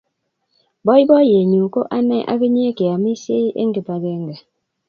Boiboiyenyu ko ane ak inye keamisie eng kipakenge